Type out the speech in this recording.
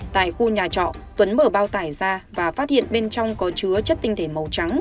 tại khu nhà trọ tuấn mở bao tải ra và phát hiện bên trong có chứa chất tinh thể màu trắng